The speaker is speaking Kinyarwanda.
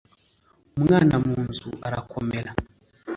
Umwana mu nzu arakomera